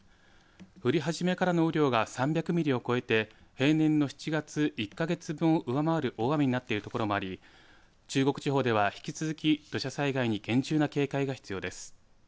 降り始めからの雨量が３００ミリを超えて平年の７月１か月分を上回る大雨になっている所もあり中国地方では引き続き土砂災害に厳重な警戒が必要です。